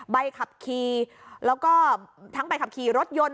ใบขับขี่แล้วก็ทั้งใบขับขี่รถยนต์